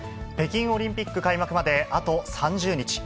北京オリンピック開幕まであと３０日。